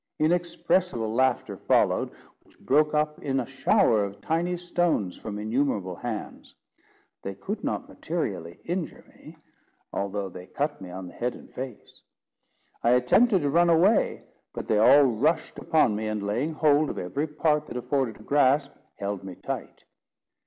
Inexpressible laughter followed, which broke up in a shower of tiny stones from innumerable hands. They could not materially injure me, although they cut me on the head and face. I attempted to run away, but they all rushed upon me, and, laying hold of every part that afforded a grasp, held me tight.